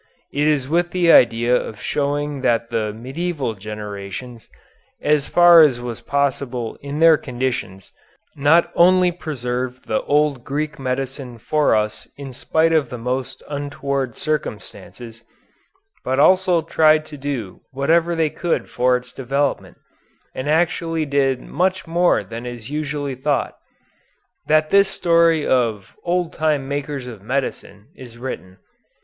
It is with the idea of showing that the medieval generations, as far as was possible in their conditions, not only preserved the old Greek medicine for us in spite of the most untoward circumstances, but also tried to do whatever they could for its development, and actually did much more than is usually thought, that this story of "Old Time Makers of Medicine" is written.